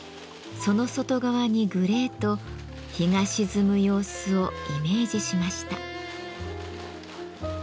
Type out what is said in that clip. その外側にグレーと日が沈む様子をイメージしました。